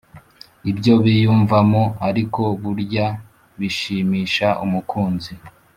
ibyo biyumvamo, ariko burya bishimisha umukunzi